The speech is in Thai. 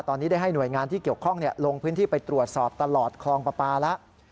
ตอนนี้ได้ให้หน่วยงานที่เกี่ยวข้องลงพื้นที่ไปตรวจสอบตลอดคลองปลาปลาแล้ว